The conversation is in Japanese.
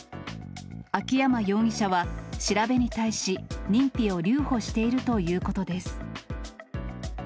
秋山容疑者は調べに対し、認否を留保しているということです。